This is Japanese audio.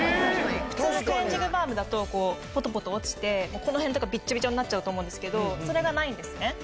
普通のクレンジングバームだとこうポトポト落ちてこの辺とかビッチャビチャになっちゃうと思うんですけどそれがないんですね。